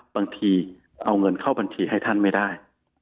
บางทีเอาเงินเข้าบัญชีให้ท่านไม่ได้